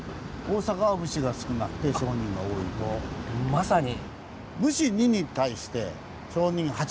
まさに！